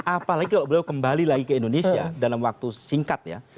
apalagi kalau beliau kembali lagi ke indonesia dalam waktu singkat ya